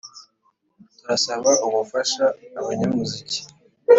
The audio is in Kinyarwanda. turasaba ubufasha abanyamuziki,